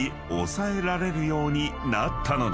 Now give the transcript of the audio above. ［抑えられるようになったのだ］